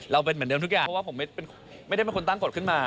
เป็นเหมือนเดิมทุกอย่างเพราะว่าผมไม่ได้เป็นคนตั้งกฎขึ้นมา